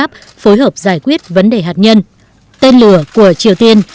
của triều tiên